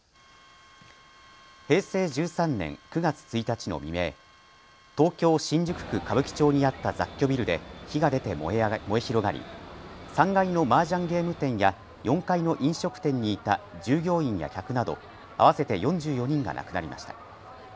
平成１３年９月１日の未明、東京新宿区歌舞伎町にあった雑居ビルで火が出て燃え広がり３階のマージャンゲーム店や４階の飲食店にいた従業員や客など合わせて４４人が亡くなりました。